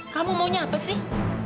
kamu maunya apa sih